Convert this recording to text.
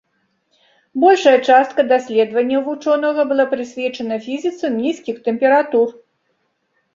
Большая частка даследаванняў вучонага была прысвечана фізіцы нізкіх тэмператур.